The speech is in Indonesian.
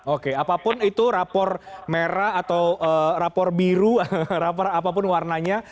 oke apapun itu rapor merah atau rapor biru rapor apapun warnanya